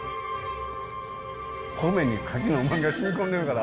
米にカキのうまみがしみ込んでるから。